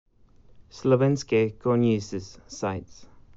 Slovenske Konjice's sights.